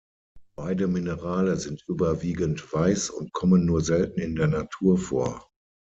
Beide Minerale sind überwiegend weiß und kommen nur selten in der Natur vor.